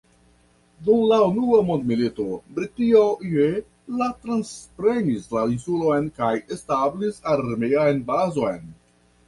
Dum la unua mondmilito Britio je la transprenis la insulon kaj establis armean bazon.